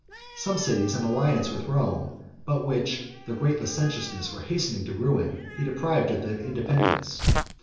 Some cities in alliance with Rome, but which by their great licentiousness were hastening to ruin, he deprived of their independence.